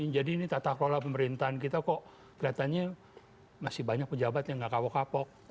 jadi ini tata kelola pemerintahan kita kok keliatannya masih banyak pejabat yang gak kapok kapok